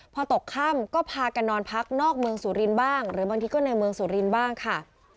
พอตกค่ำก็พากันนอนพักนอกเมืองสุรินทร์บ้างหรือบางทีก็ในเมืองสุรินทร์บ้างค่ะ